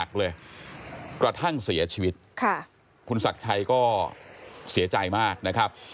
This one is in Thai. กระทั่งเสียชีวิตค่ะคุณศักดิ์ชัยก็เสียใจมากนะครับ